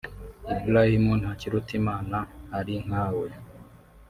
Ibrahim Ntakirutimana (Ari nkawe)